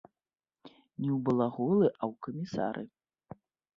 Не ў балаголы, а ў камісары.